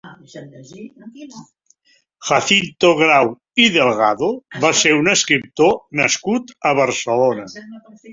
Jacinto Grau i Delgado va ser un escriptor nascut a Barcelona.